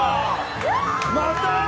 また？